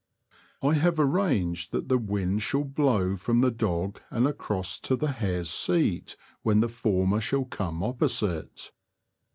I have arranged that the wind shall blow from the dog and across to the hare's seat when the former shall come opposite.